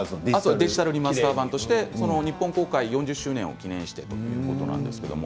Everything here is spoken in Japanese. デジタルリマスター版といって日本公開４０周年を記念してということです。